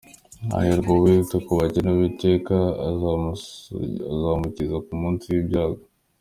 Hahirwa uwita ku bakene, Uwiteka azamukiza ku munsi w’ibyago.